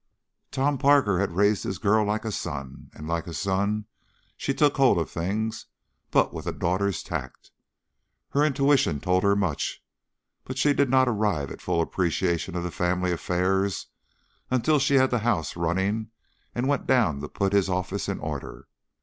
Tom Parker had raised his girl like a son, and like a son she took hold of things, but with a daughter's tact. Her intuition told her much, but she did not arrive at a full appreciation of the family affairs until she had the house running and went down to put his office in order.